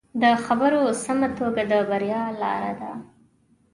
د خبرو سمه توګه د بریا لاره ده